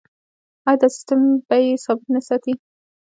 آیا دا سیستم بیې ثابت نه ساتي؟